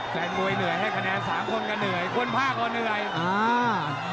แสดงมวยเหนื่อยให้คะแนน๓คนก็เหนื่อยคนพ่าก็เหนื่อย